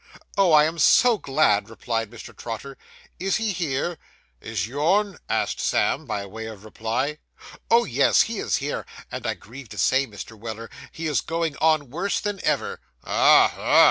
'Oh, I am so glad,' replied Mr. Trotter; 'is he here?' 'Is yourn?' asked Sam, by way of reply. 'Oh, yes, he is here, and I grieve to say, Mr. Weller, he is going on worse than ever.' 'Ah, ah!